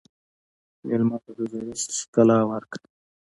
مېلمه ته د زړښت ښکلا ورکړه.